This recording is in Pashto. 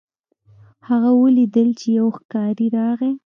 هغه ولیدل چې یو ښکاري راغی.